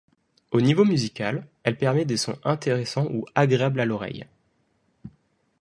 Au niveau musical, elle permet des sons intéressants ou agréables à l'oreille.